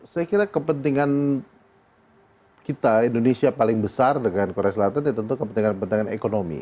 saya kira kepentingan kita indonesia paling besar dengan korea selatan ya tentu kepentingan kepentingan ekonomi